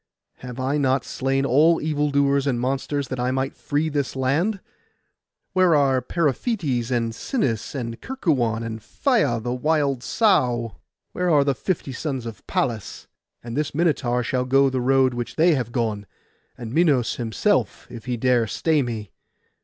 Have I not slain all evil doers and monsters, that I might free this land? Where are Periphetes, and Sinis, and Kerkuon, and Phaia the wild sow? Where are the fifty sons of Pallas? And this Minotaur shall go the road which they have gone, and Minos himself, if he dare stay me.